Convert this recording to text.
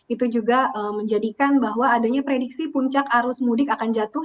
itu juga menjadikan bahwa adanya prediksi puncak arus mudik akan jatuh